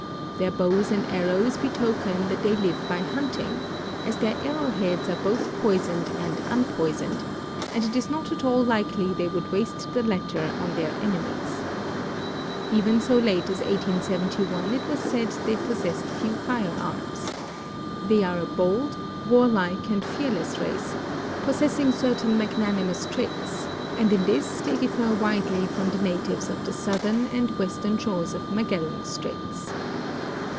Their bows and arrows betoken that they live by hunting, as their arrow heads are both poisoned and unpoisoned, and it is not at all likely they would waste the latter on their enemies. Even so late as 1871 it was said they possessed few firearms. They are a bold, warlike, and fearless race; jiossessing certain magnanimous traits, and in this they difler widely from the natives of the soutlu>ru and western shores of Magellan straits."